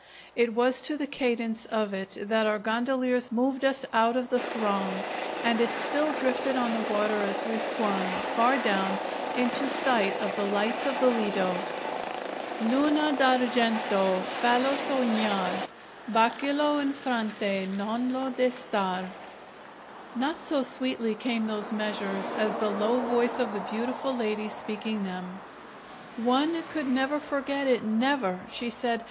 It was to the cadence of it that our gondoliers moved us out of the throng, and it still drifted on the water as we swung, far down, into sight of the lights of the Ledo: "Luna d'ar gen to fal lo so gnar Ba cia lo in fron te non lo de star...." Not so sweetly came those measures as the low voice of the beautiful lady speaking them. "One could never forget it, never!" she said.